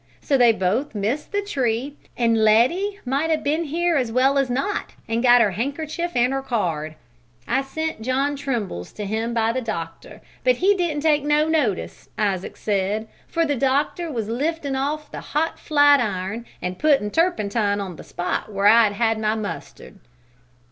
So they both missed the tree, an' Letty might 'a' been here as well as not an' got her handkerchief an' her card. I sent John Trimble's to him by the doctor, but he didn't take no notice, Isaac said, for the doctor was liftin' off the hot flat iron an' puttin' turpentine on the spot where I'd had my mustard.